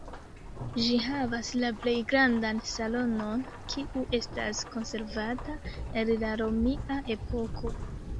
Ĝi havas la plej grandan salonon, kiu estas konservata el la romia epoko.